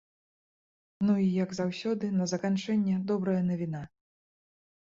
Ну і, як заўсёды, на заканчэнне, добрая навіна.